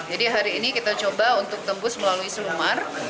jadi hari ini kita coba untuk tembus melalui selumar